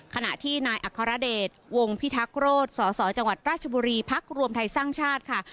ขณะที่นายอัครเดชวงพิทักษโรธสสจังหวัดราชบุรีพักรวมไทยสร้างชาติค่ะ